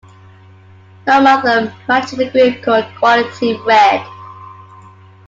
Her mother managed a group called Quality Red.